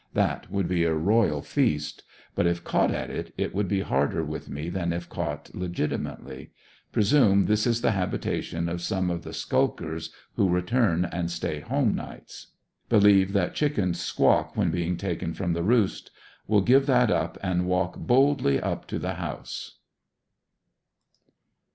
That would be a royal feast. But if caught at it, it would go harder with me than if caught legitimate ly. Presume this is the habitation of some of the skulkers who return and stay home nights. Believe that chickens squawk when being taken from the roost. Will give that up and walk boldly up to the house.